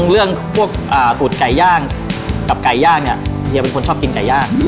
เรื่องพวกตูดไก่ย่างกับไก่ย่างเนี่ยเฮียเป็นคนชอบกินไก่ย่าง